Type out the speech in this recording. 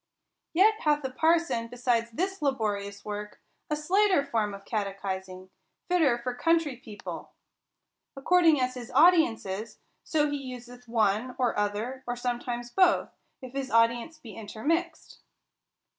Yet hath the parson, besides this laborious work, a slighter form of catechising, fitter for country people ; 25 ' 14 THE COUNTRY PARSON. according as his audience is, so he useth one, or other; or sometimes both, if his audience be intermixed.